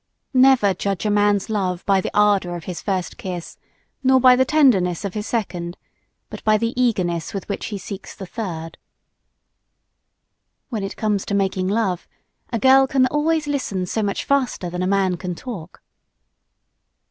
Never judge a man's love by the ardor of his first kiss, nor by the tenderness of his second, but by the eagerness with which he seeks the third. When it comes to making love, a girl can always listen so much faster than a man can talk.